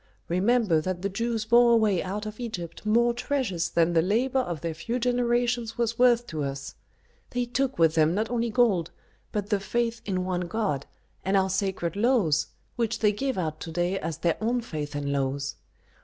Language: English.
Remember that the Jews bore away out of Egypt more treasures than the labor of their few generations was worth to us; they took with them not only gold, but the faith in one god, and our sacred laws, which they give out to day as their own faith and laws.